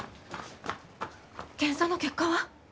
検査の結果は？